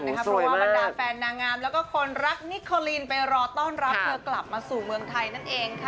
เพราะว่าบรรดาแฟนนางงามแล้วก็คนรักนิโคลีนไปรอต้อนรับเธอกลับมาสู่เมืองไทยนั่นเองค่ะ